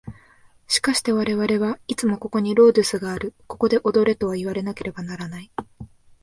しかして我々はいつもここにロードゥスがある、ここで踊れといわなければならない。